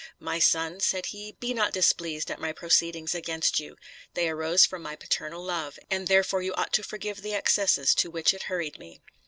"My son," said he, "be not displeased at my proceedings against you; they arose from my paternal love, and therefore you ought to forgive the excesses to which it hurried me."